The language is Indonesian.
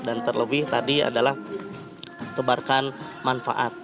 dan terlebih tadi adalah tebarkan manfaat